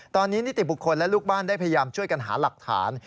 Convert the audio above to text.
ตอนนี้นิติบุคคลและลูกบ้านได้พยายามช่วยกันหาหลักฐาน